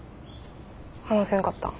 話せんかったん？